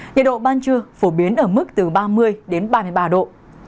nhiệt độ ban trưa phổ biến ở mức từ ba mươi đến ba mươi ba độ